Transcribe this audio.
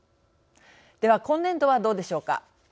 では、今年度はどうでしょうか。